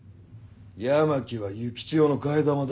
八巻は幸千代の替え玉だ。